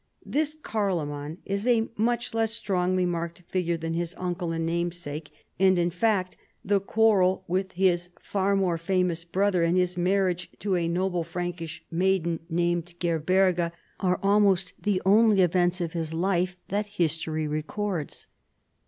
This Carloman is a much less strongly marked figure than his uncle and namesake, and in FALL OF THE LOMBARD MONARCHY. m fact, the quarrel with his far more famous brother, and his marriage to a noble Frankish maiden named Gerberga, are almost the only events in his life that history records.